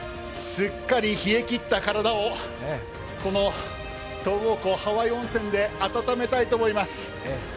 すっかり冷えきった体をこの東郷湖、ハワイ温泉で温めたいと思います。